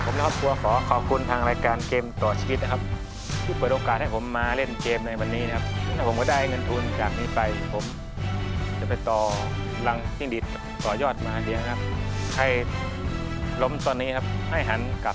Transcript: มันคือพลังอันไม่เปลี่ยนครับ